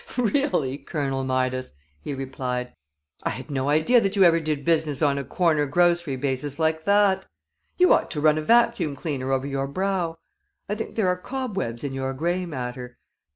"Really, Colonel Midas," he replied, "I had no idea that you ever did business on a corner grocery basis like that. You ought to run a vacuum cleaner over your brow. I think there are cobwebs in your gray matter.